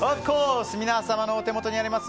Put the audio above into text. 皆様のお手元にあります